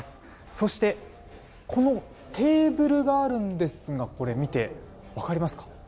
そしてこのテーブルがありますが見て分かりますか？